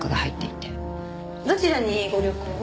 どちらにご旅行を？